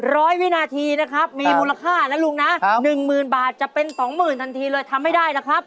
วินาทีนะครับมีมูลค่านะลุงนะครับหนึ่งหมื่นบาทจะเป็นสองหมื่นทันทีเลยทำให้ได้นะครับ